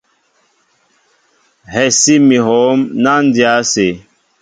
Hɛsí mi hǒm ná dya ásé.